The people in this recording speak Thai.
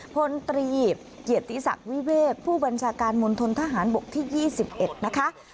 พลตรีเกียรติศักดิ์วิเวกผู้บัญชาการมณฑนทหารบกที่๒๑นะคะ